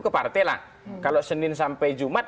ke partai lah kalau senin sampai jumat